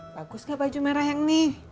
bagus gak baju merah yang nih